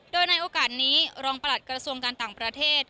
โดยในโอกาสนี้รองประหลัดกระทรวงการต่างประเทศ